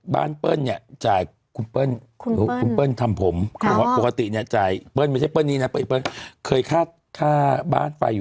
แบบ